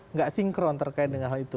nggak sinkron terkait dengan hal itu